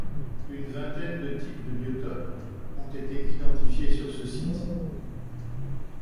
Une vingtaine de types de biotopes ont été identifiés sur ce site.